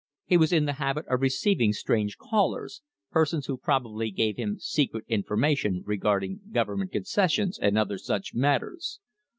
He was in the habit of receiving strange callers persons who probably gave him secret information regarding Government concessions and other such matters.